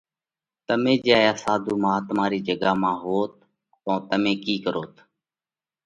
تمي جي هايا ساڌُو مهاتما رِي جڳا مانه هوئوت تو تمي ڪِي ڪروت؟